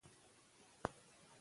تر قیامته دي نصیب سوه د مور غیږه